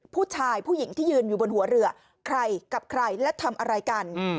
ผู้หญิงที่ยืนอยู่บนหัวเรือใครกับใครและทำอะไรกัน